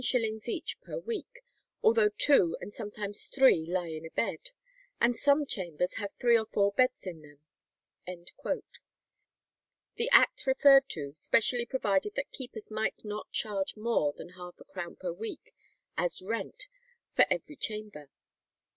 _ each per week, although two and sometimes three lie in a bed, and some chambers have three or four beds in them." The act referred to specially provided that keepers might not charge more than half a crown per week as rent for every chamber.